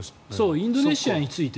インドネシアに次いで。